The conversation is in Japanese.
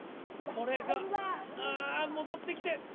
これが戻ってきて。